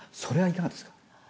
それはいかがですか？